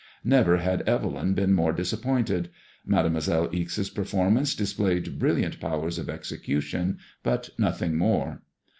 Never had Evelyn been more disappointed. Mademoiselle Ixe's performance displayed brilliant powers of execution, but nothing more.